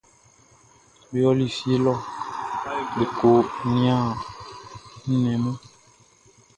Be ɔli fie lɔ be ko niannin nnɛn mun.